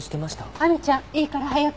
亜美ちゃんいいから早く。